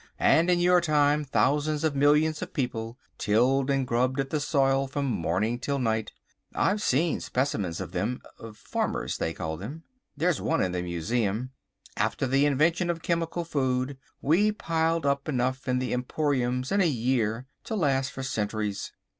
And in your time thousands of millions of people tilled and grubbed at the soil from morning till night. I've seen specimens of them—farmers, they called them. There's one in the museum. After the invention of Chemical Food we piled up enough in the emporiums in a year to last for centuries.